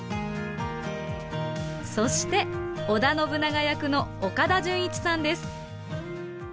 そして織田信長役の岡田准一さんです。